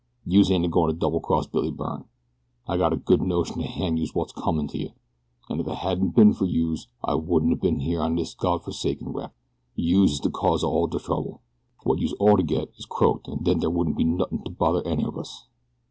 Youse ain't a goin' to double cross Billy Byrne. I gotta good notion to han' youse wot's comin' to you. If it hadn't been fer youse I wouldn't have been here now on dis Gawd forsaken wreck. Youse is de cause of all de trouble. Wot youse ought to get is croaked an' den dere wouldn't be nothin' to bother any of us.